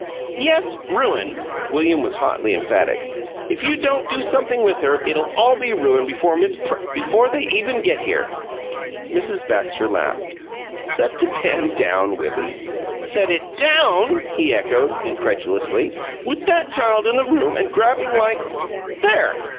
"Yes, ruin!" William was hotly emphatic, "If you don't do something with her it 'll all be ruined before Miss Pr before they even get here!" Mrs. Baxter laughed. "Set the pan down, Willie." "Set it DOWN?" he echoed, incredulously "With that child in the room and grabbing like " "There!"